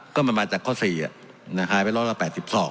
ก็มันมาจากข้อ๔หายไปร้อยละ๘๒